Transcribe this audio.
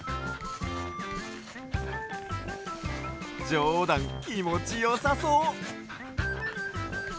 ジョーダンきもちよさそう！